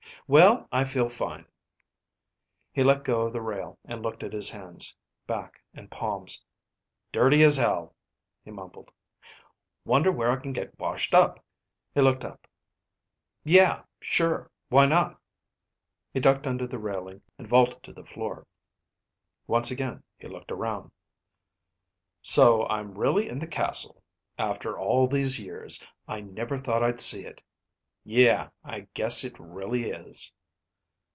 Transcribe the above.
"Well, I feel fine." He let go of the rail and looked at his hands, back and palms. "Dirty as hell," he mumbled. "Wonder where I can get washed up." He looked up. "Yeah, sure. Why not?" He ducked under the railing and vaulted to the floor. Once again he looked around. "So I'm really in the castle. After all these years. I never thought I'd see it. Yeah, I guess it really is."